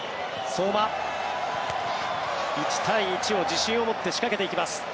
相馬、１対１を自信を持って仕掛けていきます。